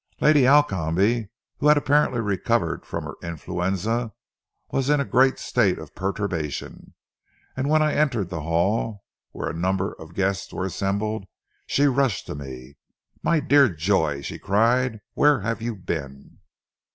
Lady Alcombe, who had apparently recovered from her influenza, was in a great state of perturbation, and when I entered the hall, where a number of guests were assembled, she rushed to me. 'My dear Joy,' she cried, 'where have you been?